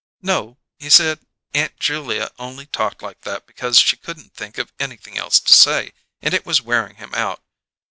"No. He said Aunt Julia only talked like that because she couldn't think of anything else to say, and it was wearin' him out.